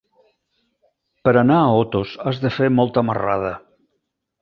Per anar a Otos has de fer molta marrada.